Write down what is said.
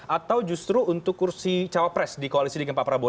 atau justru untuk kursi cawapres di koalisi dengan pak prabowo